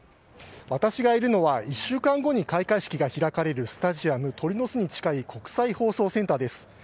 私がいるのは１週間後に開会式が開かれるスタジアム・鳥の巣に近い国際放送センターです。